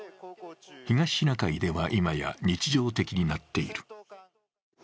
東シナ海では今や日常的になっている。